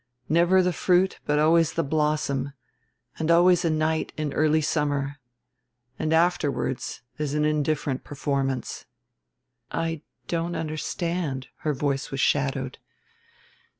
Never the fruit but always the blossom, and always a night in early summer. The afterwards is an indifferent performance." "I don't understand," her voice was shadowed.